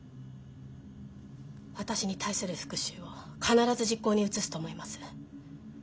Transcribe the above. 私に対する復讐を必ず実行に移すと思います。